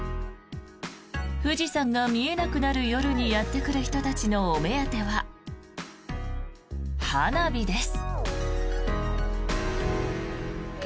富士山が見えなくなる夜にやってくる人たちのお目当ては花火です。